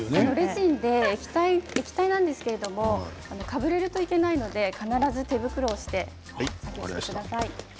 レジンが液体なんですけどかぶれるといけないので必ず手袋をして作業をしてください。